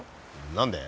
何で？